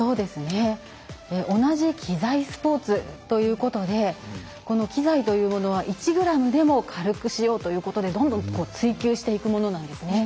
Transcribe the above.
同じ機材スポーツということで機材というものは、１ｇでも軽くしようということでどんどん追求していくものなんですね。